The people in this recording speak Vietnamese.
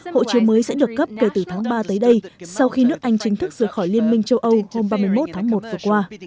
hộ chiếu mới sẽ được cấp kể từ tháng ba tới đây sau khi nước anh chính thức rời khỏi liên minh châu âu hôm ba mươi một tháng một vừa qua